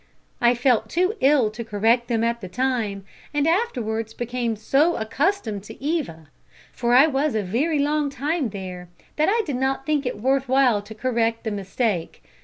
I felt too ill to correct them at the time, and afterwards became so accustomed to Eva for I was a very long time there that I did not think it worth while to correct the mistake.